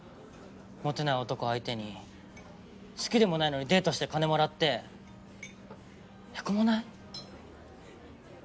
モテない男相手に好きでもないのにデートして金もらってへこまない？